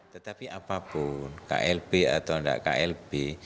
tetapi apapun klb atau tidak klb